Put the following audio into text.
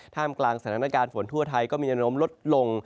ถ้ามกลางสถานการณ์ฝนทั่วไทยก็มีระนมลดลง